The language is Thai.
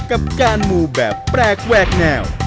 กับการหมู่แบบแปลกแหวกแนว